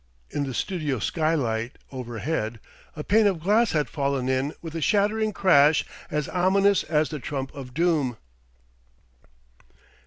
In the studio skylight overhead a pane of glass had fallen in with a shattering crash as ominous as the Trump of Doom.